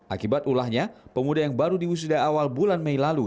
akibat ulahnya pemuda yang baru diwisuda awal bulan mei lalu